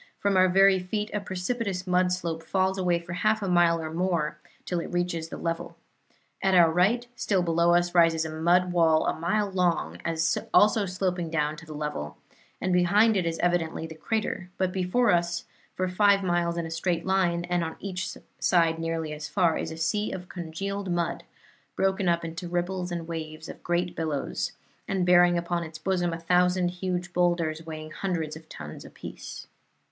From our very feet a precipitous mud slope falls away for half a mile or more till it reaches the level. At our right, still below us, rises a mud wall a mile long, also sloping down to the level, and behind it is evidently the crater; but before us, for five miles in a straight line, and on each side nearly as far, is a sea of congealed mud, broken up into ripples and waves and great billows, and bearing upon its bosom a thousand huge boulders, weighing hundreds of tons apiece."